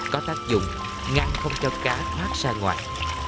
có tác dụng ngăn không cho cá thoát ra ngoài